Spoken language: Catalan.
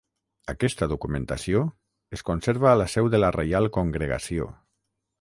Aquesta documentació es conserva a la seu de la Reial Congregació.